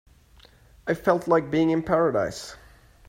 I felt like being in paradise.